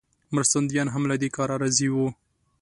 مرستندویان هم له دې کاره راضي وي.